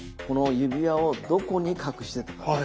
この指輪をどこに隠していたか？